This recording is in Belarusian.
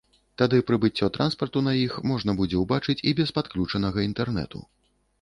Тады прыбыццё транспарту на іх можна будзе ўбачыць і без падключанага інтэрнэту.